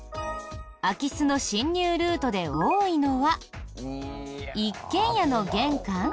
空き巣の侵入ルートで多いのは一軒家の玄関？